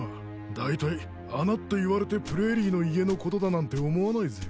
だいたい穴って言われてプレーリーの家のことだなんて思わないぜよ。